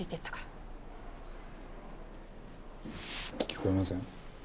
聞こえません？